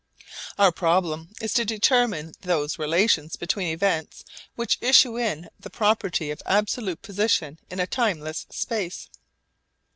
Our problem is to determine those relations between events which issue in the property of absolute position in a timeless space.